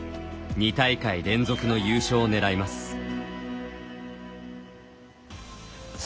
２大会連続の優勝を狙います。